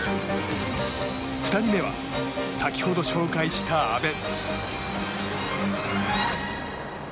２人目は、先ほど紹介した安部。